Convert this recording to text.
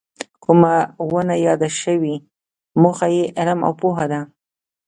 کومه ونه یاده شوې موخه یې علم او پوهه ده.